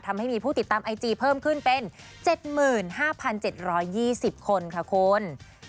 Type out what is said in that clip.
ทำให้มีผู้ติดตามไอจีเพิ่มขึ้นเป็น๗๕๗๒๐คนค่ะคุณ